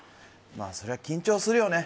そりゃ緊張するよね。